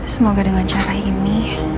semoga dengan cara ini